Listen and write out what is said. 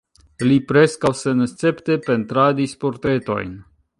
Li preskaŭ senescepte pentradis portretojn.